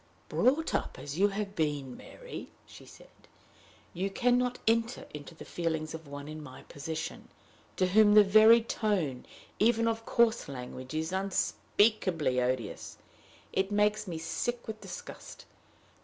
"Brought up as you have been, Mary," she said, "you can not enter into the feelings of one in my position, to whom the very tone even of coarse language is unspeakably odious. It makes me sick with disgust.